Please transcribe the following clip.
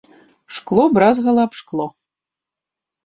Шкло бразгала аб шкло.